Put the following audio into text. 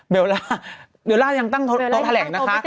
เบลล่ายังตั้งโต๊ะแถลงนะคะ